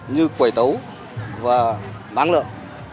như quẩy tấu và bán lợn